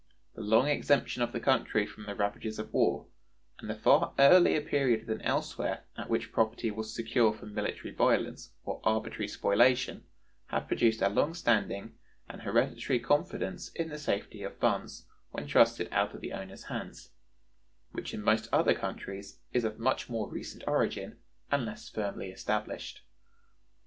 The long exemption of the country from the ravages of war and the far earlier period than elsewhere at which property was secure from military violence or arbitrary spoliation have produced a long standing and hereditary confidence in the safety of funds when trusted out of the owner's hands, which in most other countries is of much more recent origin, and less firmly established.